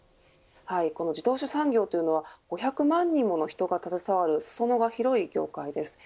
この自動車産業というのは５００万人もの人が携わる裾野が広い業界です。